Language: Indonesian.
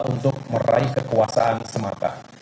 untuk meraih kekuasaan semata